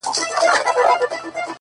زنګ وهلی د خوشال د توري شرنګ یم;